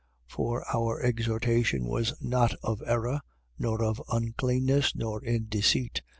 2:3. For our exhortation was not of error, nor of uncleanness, nor in deceit.